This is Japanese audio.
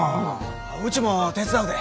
うちも手伝うで。